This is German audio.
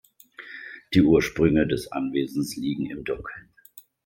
Die Ursprünge des Anwesens liegen im Dunkeln.